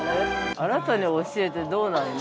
◆あなたに教えてどうなるの？